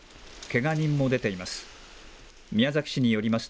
けが人も出ています。